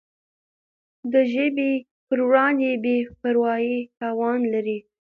د ژبي پر وړاندي بي پروایي تاوان لري.